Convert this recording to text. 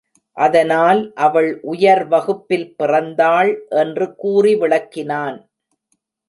அதனால் அவள் உயர் வகுப்பில் பிறந்தாள் என்று கூறி விளக்கினான்.